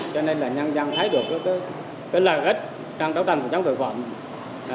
cho nên là nhân dân thấy được cái lợi ích trong trang tạo tăng của trang tội phận